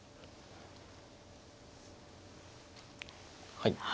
はい。